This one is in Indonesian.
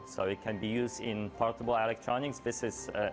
jadi bisa digunakan dalam elektronik yang berpengaruh